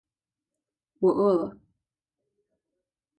我饿了